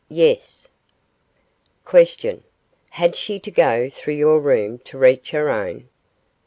Yes. Q. Had she to go through your room to reach her own?